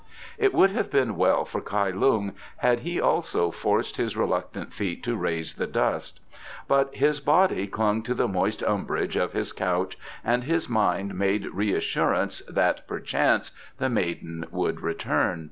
It would have been well for Kai Lung had he also forced his reluctant feet to raise the dust, but his body clung to the moist umbrage of his couch, and his mind made reassurance that perchance the maiden would return.